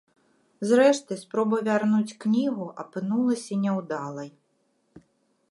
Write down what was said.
Зрэшты, спроба вярнуць кнігу апынулася няўдалай.